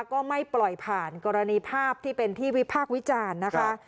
ก็ไม่ปล่อยผ่านกรณีภาพที่เป็นที่วิพากษ์วิจารณ์นะคะ